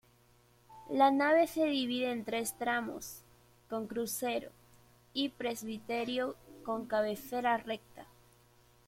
La nave se divide en tres tramos, con crucero y presbiterio con cabecera recta.